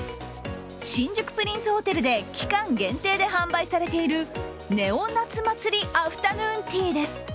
新宿プリンスホテルで期間限定で販売されているネオ・夏祭りアフタヌーンティーです。